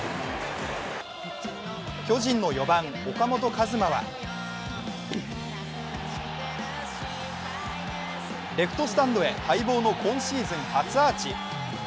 巨人の４番・岡本和真はレフトスタンドへ待望の今シーズン初アーチ。